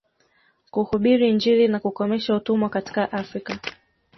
Kuhubiri injili na kukomesha utumwa katika Afrika